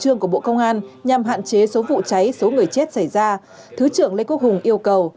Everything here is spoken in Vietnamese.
trường của bộ công an nhằm hạn chế số vụ cháy số người chết xảy ra thứ trưởng lê quốc hùng yêu cầu